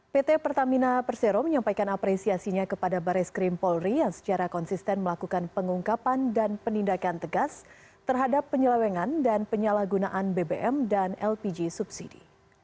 pt pertamina persero menyampaikan apresiasinya kepada baris krim polri yang secara konsisten melakukan pengungkapan dan penindakan tegas terhadap penyelewengan dan penyalahgunaan bbm dan lpg subsidi